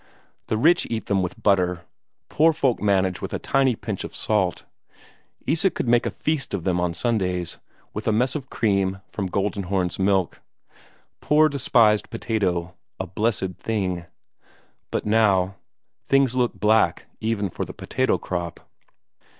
The rich eat them with butter; poor folk manage with a tiny pinch of salt. Isak could make a feast of them on Sundays, with a mess of cream from Goldenhorns' milk. Poor despised potato a blessed thing! But now things look black even for the potato crop.